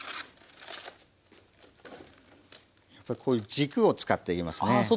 こういう軸を使っていきますね。